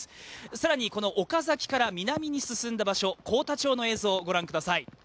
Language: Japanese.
更に岡崎から南に進んだ場所、幸田町の映像をご覧ください。